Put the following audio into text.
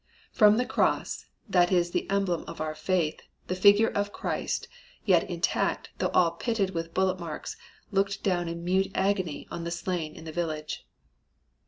From the cross, that is the emblem of our faith, the figure of Christ, yet intact though all pitted with bullet marks, looked down in mute agony on the slain in the village.